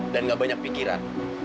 dan gak banyak pikiran